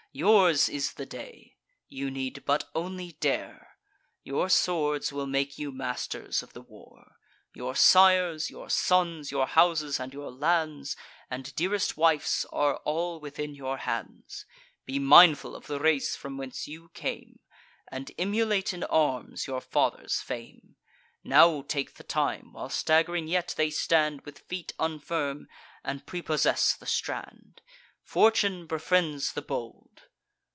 Yours is the day: you need but only dare; Your swords will make you masters of the war. Your sires, your sons, your houses, and your lands, And dearest wifes, are all within your hands. Be mindful of the race from whence you came, And emulate in arms your fathers' fame. Now take the time, while stagg'ring yet they stand With feet unfirm, and prepossess the strand: Fortune befriends the bold."